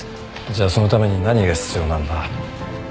じゃそのために何が必要なんだ？